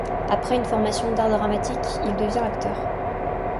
Après une formation d'art dramatique, il devient acteur.